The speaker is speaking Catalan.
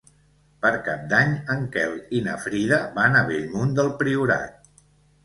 Per Cap d'Any en Quel i na Frida van a Bellmunt del Priorat.